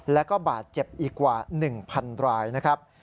แล้วก็บาดเจ็บอีกกว่า๑๐๐รายนะครับ